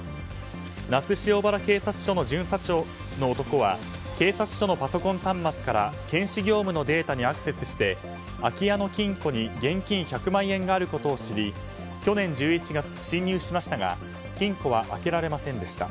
那須塩原警察署の巡査長の男は警察署のパソコン端末から検視業務のデータにアクセスして空き家の金庫に現金１００万円があることを知り侵入しましたが金庫は開けられませんでした。